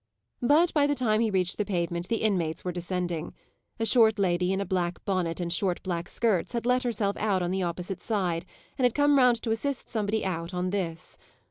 But, by the time he reached the pavement, the inmates were descending. A short lady, in a black bonnet and short black skirts, had let herself out on the opposite side, and had come round to assist somebody out on this.